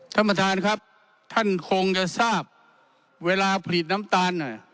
ท่านประธานครับท่านคงจะทราบเวลาผลิตน้ำตาล